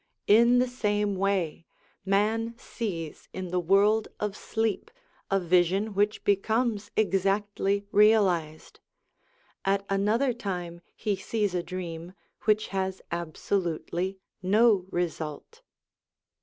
In the same way, man sees in the world of sleep a vision which becomes exactly realised; at another time he sees a dream which has absolutely no result.